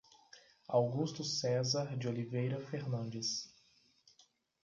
Augusto Cesar de Oliveira Fernandes